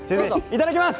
いただきます！